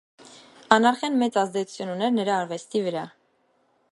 Անարխիան մեծ ազդեցություն ուներ նրա արվեստի վրա։